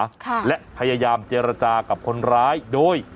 ค่ะและพยายามเจรจากับคนร้ายโดย